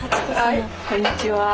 こんにちは。